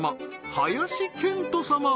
林遣都様